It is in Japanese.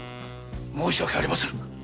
申し訳ありませぬ！